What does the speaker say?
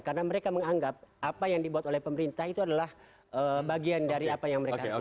karena mereka menganggap apa yang dibuat oleh pemerintah itu adalah bagian dari apa yang mereka harus lakukan